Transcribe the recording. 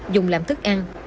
dùng làm thức ăn